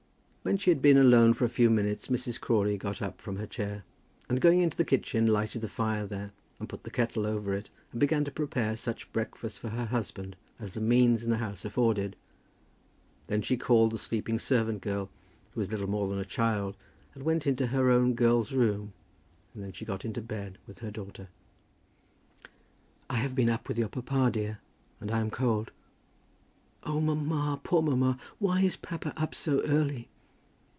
When she had been alone for a few minutes, Mrs. Crawley got up from her chair, and going into the kitchen, lighted the fire there, and put the kettle over it, and began to prepare such breakfast for her husband as the means in the house afforded. Then she called the sleeping servant girl, who was little more than a child, and went into her own girl's room, and then she got into bed with her daughter. "I have been up with your papa, dear, and I am cold." "Oh, mamma, poor mamma! Why is papa up so early?"